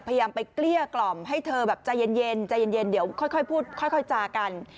พยายามไปเกลี้ยกล่อมให้เธอแบบใจเย็นใจเย็นเดี๋ยวค่อยพูดค่อยจากัน